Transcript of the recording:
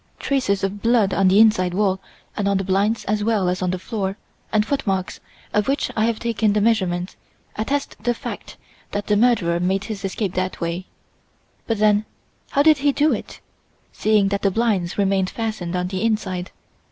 Traces of blood on the inside wall and on the blinds as well as on the floor, and footmarks, of which I have taken the measurements, attest the fact that the murderer made his escape that way. But then, how did he do it, seeing that the blinds remained fastened on the inside?